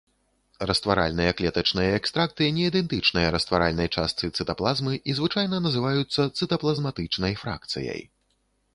Растваральныя клетачныя экстракты не ідэнтычныя растваральнай частцы цытаплазмы і звычайна называюцца цытаплазматычнай фракцыяй.